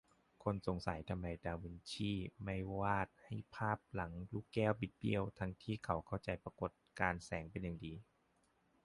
คนสงสัยทำไมดาวินซีไม่วาดให้ภาพหลังลูกแก้วบิดเบี้ยว ทั้งที่เขาเข้าใจปรากฏการณ์แสงเป็นอย่างดี